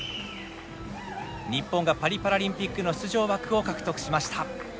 日本がパリパラリンピックの出場枠を獲得しました。